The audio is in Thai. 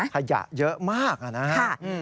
อันยังระยะเยอะมากอะน้า